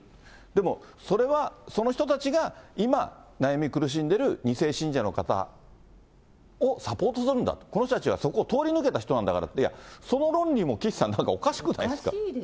でもそれはその人たちが今、悩み苦しんでる２世信者の方をサポートするんだと、この人たちはそこを通り抜けた人なんだからって、いや、その論理も岸さん、おかしいですよね。